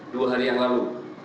dua hari yang lalu